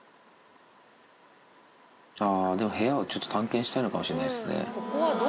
あー、でも部屋はちょっと探検したいのかもしれないですね。